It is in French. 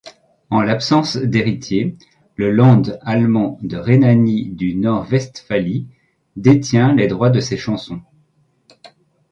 En l'absence d'héritiers, le Land allemand de Rhénanie-du-Nord-Westphalie détient les droits de ses chansons.